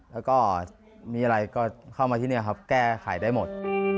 แล้วก็มีอะไรก็เข้ามาที่นี่ครับแก้ไขได้หมด